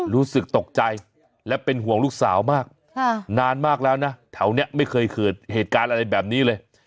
รู้สึกตกใจและเป็นห่วงลูกสาวมากนานมากแล้วนะแถวนี้ไม่เคยเกิดเหตุการณ์อะไรแบบนี้เลย